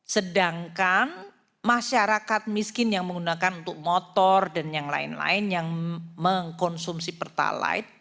sedangkan masyarakat miskin yang menggunakan untuk motor dan yang lain lain yang mengkonsumsi pertalite